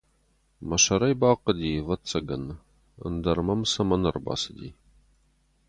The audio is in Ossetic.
Мӕ сӕр ӕй бахъуыди, ӕвӕццӕгӕн, ӕндӕр мӕм цӕмӕн ӕрбацыди.